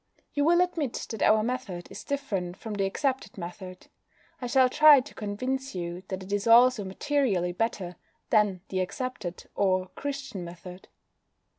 You will admit that our method is different from the accepted method. I shall try to convince you that it is also materially better than the accepted, or Christian, method.